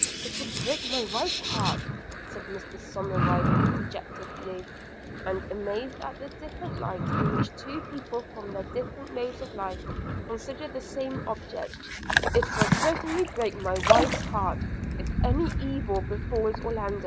'It will break my wife's heart,' said Mr Somerive dejectedly, and amazed at the different light in which two people, from their different modes of life, consider the same object; 'it will certainly break my wife's heart, if any evil befalls Orlando.'